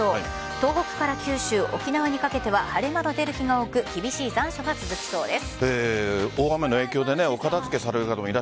東北から九州、沖縄にかけては晴れ間のでる日が多く厳しい残暑が続きそうです。